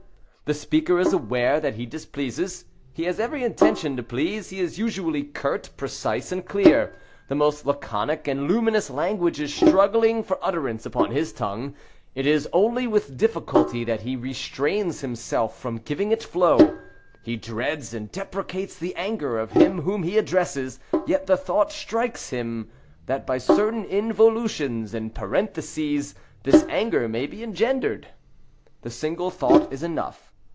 The speaker is aware that he displeases; he has every intention to please, he is usually curt, precise, and clear; the most laconic and luminous language is struggling for utterance upon his tongue; it is only with difficulty that he restrains himself from giving it flow; he dreads and deprecates the anger of him whom he addresses; yet, the thought strikes him, that by certain involutions and parentheses this anger may be engendered. That single thought is enough.